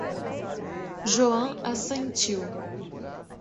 Joan assentiu.